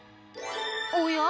おや？